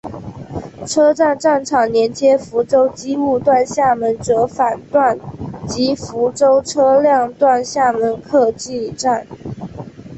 车站站场连接福州机务段厦门折返段及福州车辆段厦门客技站。